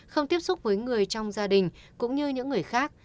không tiếp xúc với người trong gia đình cũng như những người khác